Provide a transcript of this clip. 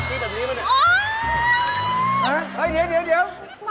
เดี๋ยวหวังประทานมากเลย